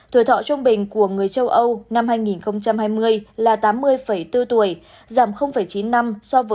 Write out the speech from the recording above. tuổi thọ trung bình của người châu âu năm hai nghìn hai mươi là tám mươi bốn tuổi giảm chín mươi năm so với năm hai nghìn một mươi chín